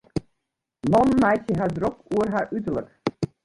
Mannen meitsje har ek drok oer har uterlik.